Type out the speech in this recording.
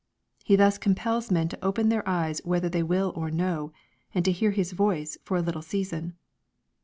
He thus compels men to open their eyes whether they will or no, and to hear His voice for a little season.